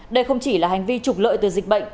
đây không chỉ là hành vi trục lợi từ dịch bệnh